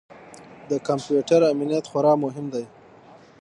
د کمپیوټر امنیت خورا مهم دی.